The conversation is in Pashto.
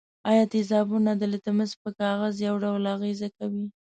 آیا تیزابونه د لتمس پر کاغذ یو ډول اغیزه کوي؟